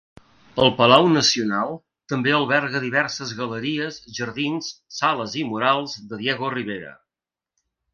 El Palau Nacional també alberga diverses galeries, jardins, sales i murals de Diego Rivera.